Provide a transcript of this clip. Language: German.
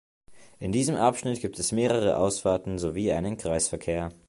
In diesem Abschnitt gibt es mehrere Ausfahrten sowie einen Kreisverkehr.